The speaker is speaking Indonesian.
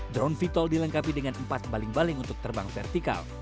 drone vital dilengkapi dengan empat baling baling untuk terbang vertikal